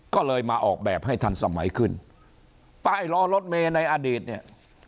ก็เลยมาออกแบบให้ทันสมัยขึ้นป้ายรอรถเมย์ในอดีตเนี่ย